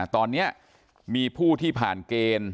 ตอนนี้มีผู้ที่ผ่านเกณฑ์